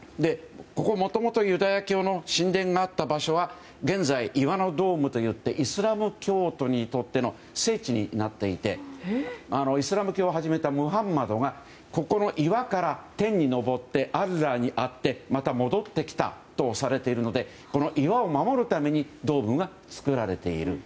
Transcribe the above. もともとユダヤ教の神殿があった場所は現在、岩のドームといってイスラム教徒にとっての聖地になっていてイスラム教を始めたモハンマドがここの岩から天に昇ってアッラーに会ってまた戻ってきたとされているので岩を守るためにドームが造られている。